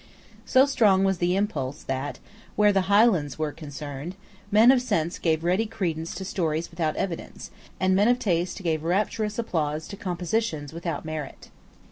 So strong was this impulse that, where the Highlands were concerned, men of sense gave ready credence to stories without evidence, and men of taste gave rapturous applause to compositions without merit.